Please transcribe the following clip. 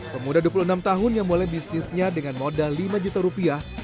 pemuda dua puluh enam tahun yang mulai bisnisnya dengan modal lima juta rupiah